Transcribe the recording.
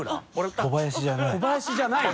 小林じゃない？